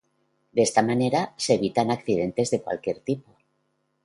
De esta manera, se evitan accidentes de cualquier tipo.